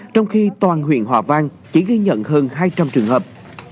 trong khi toàn huyện hòa vang chỉ ghi nhận hơn hai trăm linh trường hợp